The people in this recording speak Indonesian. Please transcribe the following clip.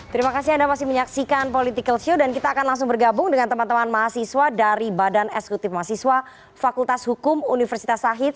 terima kasih anda masih menyaksikan political show dan kita akan langsung bergabung dengan teman teman mahasiswa dari badan eksekutif mahasiswa fakultas hukum universitas sahid